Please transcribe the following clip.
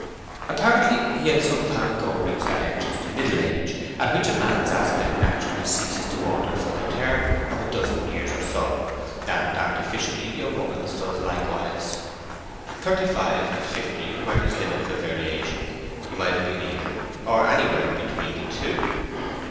Apparently he had some time ago reached that entrance to middle age at which a man's aspect naturally ceases to alter for the term of a dozen years or so; and, artificially, a woman's does likewise. Thirty five and fifty were his limits of variation—he might have been either, or anywhere between the two.